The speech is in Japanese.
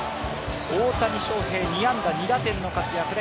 大谷翔平、２安打２打点の活躍で